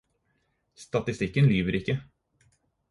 Statistikken lyver ikke.